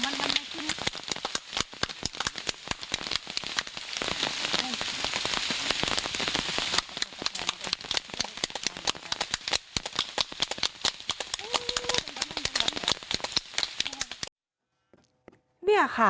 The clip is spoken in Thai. เนี้ยค่ะ